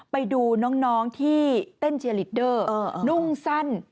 ไปดูน้องที่เต้นเชียร์ลีดเดอร์นุ่งสั้น